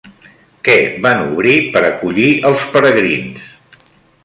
Què van obrir per acollir els peregrins?